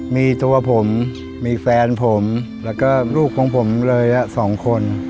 มีตัวผมมีแฟนผมแล้วก็ลูกของผมเลยสองคน